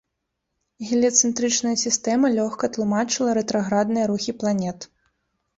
Геліяцэнтрычная сістэма лёгка тлумачыла рэтраградныя рухі планет.